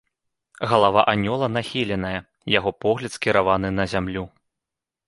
Галава анёла нахіленая, яго погляд скіраваны на зямлю.